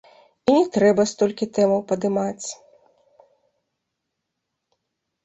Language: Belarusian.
І не трэба столькі тэмаў падымаць.